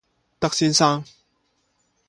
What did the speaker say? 德先生